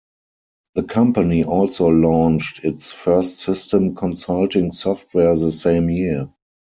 The company also launched its first system consulting software the same year.